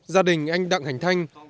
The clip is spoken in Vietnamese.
gia đình anh đặng hành thanh